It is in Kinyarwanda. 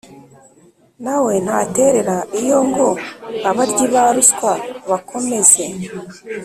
na we ntaterera iyo ngo abaryi ba ruswa bakomeze